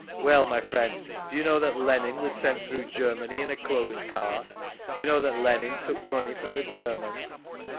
"Well, my friend, do you know that Lenin was sent through Germany in a closed car? Do you know that Lenin took money from the Germans?"